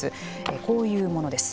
こういうものです。